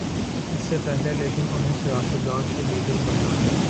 اس سے پہلے لیکن انہیں سیاست دان سے لیڈر بننا ہے۔